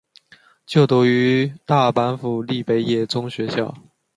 就读于大阪府立北野中学校。